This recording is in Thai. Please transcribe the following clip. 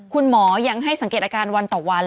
คุณหมอยังให้สังเกตอาการวันต่อวัน